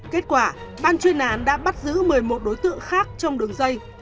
kết quả ban chuyên án đã bắt giữ một mươi một đối tượng khác trong đường dây